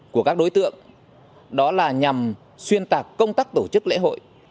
của các đối tượng đó là nhằm xuyên tạc công tác tổ chức lễ hội